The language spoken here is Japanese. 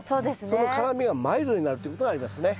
その辛みがマイルドになるということがありますね。